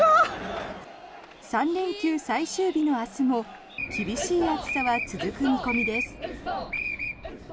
３連休最終日の明日も厳しい暑さは続く見込みです。